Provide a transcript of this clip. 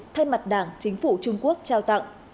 thay mặt đảng chính phủ trung quốc trao tặng